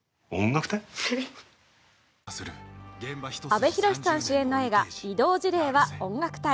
阿部寛さん主演の映画「異動辞令は音楽隊！」